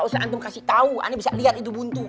gak usah antum kasih tau ana bisa liat itu buntu